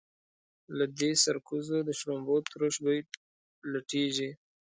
له دې سرکوزو د شړومبو تروش بوی لټېږي.